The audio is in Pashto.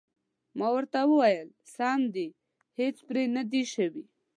ما ورته وویل: سم دي، هېڅ پرې نه دي شوي.